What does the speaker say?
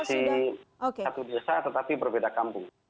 di satu desa tetapi berbeda kampung